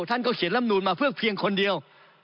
ท่านก็เขียนลำนูนมาเพื่อเพียงคนเดียว